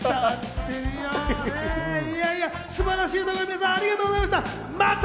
素晴らしい歌声を皆さん、ありがとうございました。